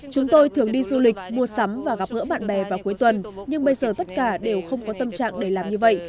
chúng tôi thường đi du lịch mua sắm và gặp gỡ bạn bè vào cuối tuần nhưng bây giờ tất cả đều không có tâm trạng để làm như vậy